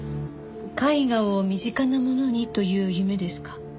「絵画を身近なものに」という夢ですか？